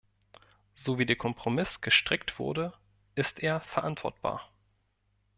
So wie der Kompromiss gestrickt wurde, ist er verantwortbar.